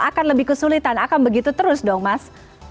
akan lebih kesulitan akan begitu terus dong mas